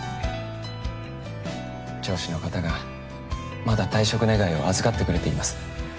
上司の方がまだ退職願を預かってくれています。